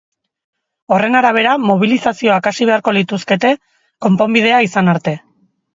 Horren arabera, mobilizazioak hasi beharko lituzteke, konponbidea izan arte.